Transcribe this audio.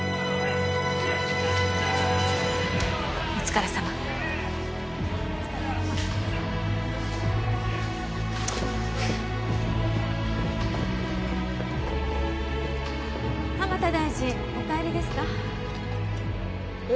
お疲れさま蒲田大臣お帰りですかえ